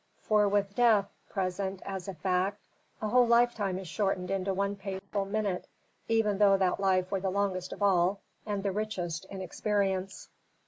For with death present as a fact a whole lifetime is shortened into one painful minute even though that life were the longest of all and the richest in experience.